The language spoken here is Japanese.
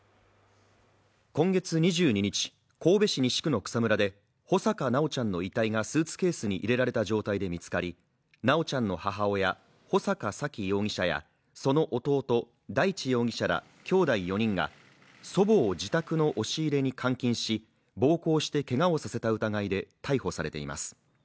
今月２２日、神戸市西区の草むらで穂坂修ちゃんの遺体がスーツケースに入れられた状態で見つかり、修ちゃんの母親、補坂沙喜容疑者やその弟、大地容疑者らきょうだい４人が祖母を自宅の押し入れに監禁し暴行してけがをさせた疑いで逮捕されています。